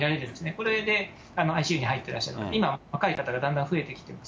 これでＩＣＵに入ってらっしゃる、今、若い方がだんだん増えてきています。